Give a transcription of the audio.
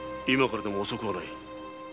今からでも遅くはない。